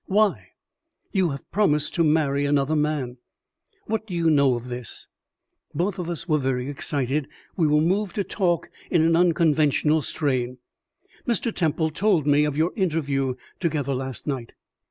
"Why?" "You have promised to marry another man." "What do you know of this?" Both of us were very excited. We were moved to talk in an unconventional strain. "Mr. Temple told me of your interview together last night."